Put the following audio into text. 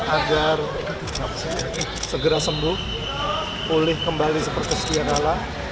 agar segera sembuh pulih kembali seperti setiap kala